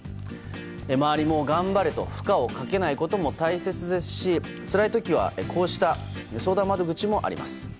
周りも頑張れと負荷をかけないことも大切ですしつらい時はこうした相談窓口もあります。